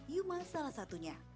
yuma salah satunya